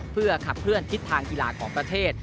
เพื่อขับเคลื่อนทิศทางกีฬาของประเทศ